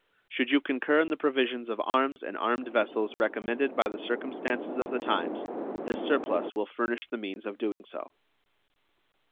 Should you concur in the provisions of arms and armed vessels recommended by the circumstances of the times, this surplus will furnish the means of doing so.